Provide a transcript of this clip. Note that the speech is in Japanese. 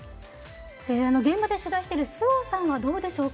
現場で取材している周防さんはどうでしょうか？